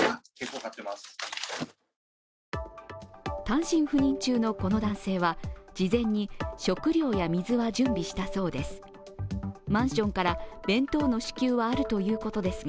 単身赴任中のこの男性は、事前に食料や水は準備したそうです。